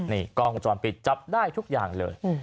นี่กล้องวงจรปิดจับได้ทุกอย่างเลย